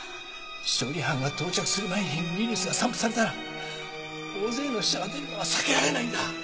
処理班が到着する前にウイルスが散布されたら大勢の死者が出るのは避けられないんだ！